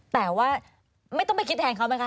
แต่ว่าไม่ต้องไปคิดแทนเขาไหมคะ